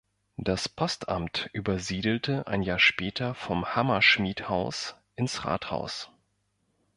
Das Postamt übersiedelte ein Jahr später vom Hammerschmied-Haus ins Rathaus.